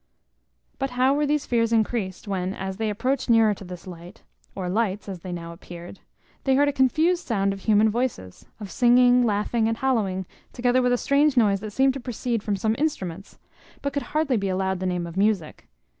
But how were these fears increased, when, as they approached nearer to this light (or lights as they now appeared), they heard a confused sound of human voices; of singing, laughing, and hallowing, together with a strange noise that seemed to proceed from some instruments; but could hardly be allowed the name of music!